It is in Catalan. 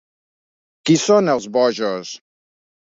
Qui són els bojos?